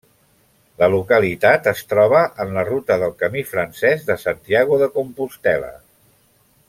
La localitat es troba en la ruta del Camí francès de Santiago de Compostel·la.